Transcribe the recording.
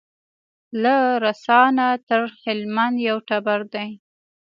له رسا نه تر هلمند یو ټبر دی